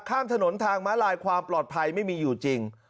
ข้ามถนนทางม้าลายความปลอดภัยไม่มีอยู่จริง